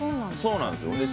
そうなんですか？